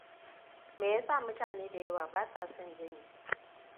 Me yasa mutane da yawa basa son Jami?